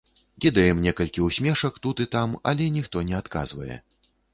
Кідаем некалькі ўсмешак тут і там, але ніхто не адказвае.